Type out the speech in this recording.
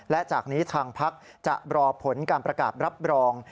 และจากนี้ทางพักจะรอผลการประกาศรับรอง